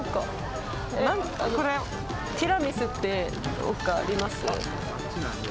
あのティラミスってどっかあります？